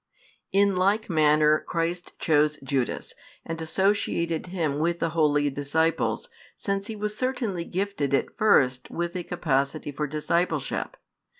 In like manner Christ chose Judas and associated him with the holy disciples, since he was certainly gifted at first with a capacity for discipleship.